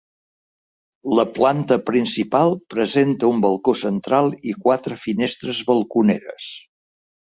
La planta principal presenta un balcó central i quatre finestres balconeres.